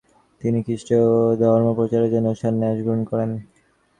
তিনি খ্রিষ্টধর্ম প্রচারের জন্য সন্ন্যাস গ্রহণ করেন ।